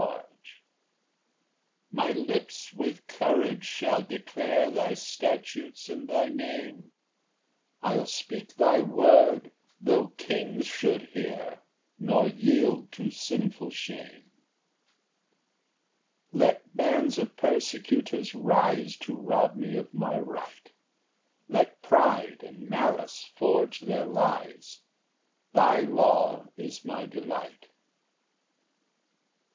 Ver. 13 46. 4 My lips with courage shall declare Thy statutes and thy Name; I'll speak thy word, tho' kings should hear Nor yield to sinful shame. Ver. 61 69 70. 5 Let bands of persecutors rise To rob me of my right, Let pride and malice forge their lies, Thy law is my delight.